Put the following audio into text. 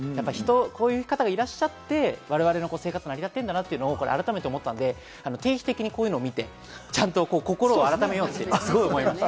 こういう方がいらっしゃって、我々の生活が成り立ってるんだなっていうのを改めて思ったので、定期的にこういうのを見て、改めようと思いました。